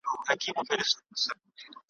لس او پنځه لس او پنځوس کلونه وکړېدو `